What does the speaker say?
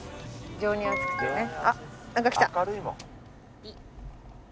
情に厚くてね。